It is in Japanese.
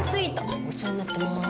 お世話になってます。